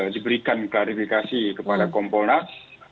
diberikan klarifikasi kepada kompolnas